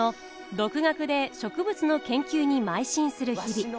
独学で植物の研究にまい進する日々。